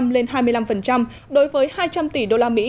lên hai mươi năm đối với hai trăm linh tỷ đô la mỹ